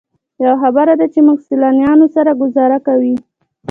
یوه خبره ده چې موږ سیلانیانو سره ګوزاره کوئ.